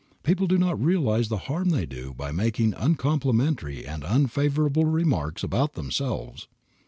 People do not realize the harm they do by making uncomplimentary and unfavorable remarks about themselves.